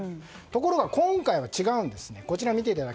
ところが、今回は違うんです。